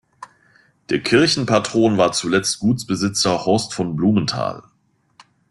Der Kirchenpatron war zuletzt Gutsbesitzer "Horst von Blumenthal".